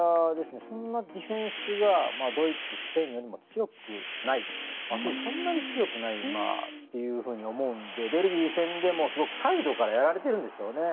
そんなにディフェンスがドイツ、スペインよりも強くないそんなに強くないと思うのでベルギー戦でもすごくサイドからやられているんですよね。